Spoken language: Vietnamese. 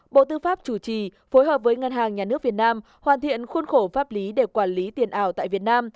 bộ tư pháp chủ trì phối hợp với ngân hàng nhà nước việt nam hoàn thiện khuôn khổ pháp lý để quản lý tiền ảo tại việt nam